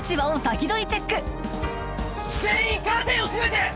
全員カーテンを閉めて！